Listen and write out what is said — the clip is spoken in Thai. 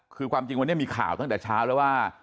คือความจริงวันนี้มีข่าวตั้งแต่เช้าแล้วว่า